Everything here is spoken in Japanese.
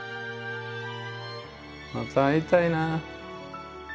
また会いたいな。